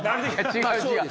違う違う。